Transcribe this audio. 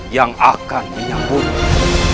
yang akan menyambutmu